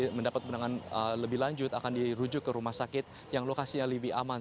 untuk mendapat penanganan lebih lanjut akan dirujuk ke rumah sakit yang lokasinya lebih aman